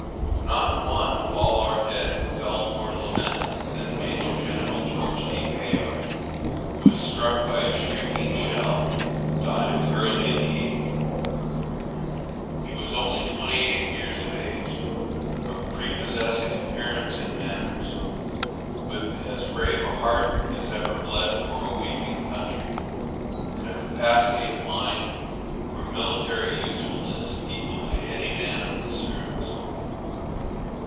Not one of all our dead fell more lamented than Major General George D. Bayard, who was struck by a shrieking shell, dying early in the evening. He was only twenty eight years of age, of prepossessing appearance and manners, with as brave a heart as ever bled for a weeping country, and a capacity of mind for military usefulness equal to any man in the service.